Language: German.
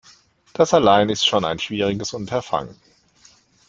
Das allein ist schon ein schwieriges Unterfangen.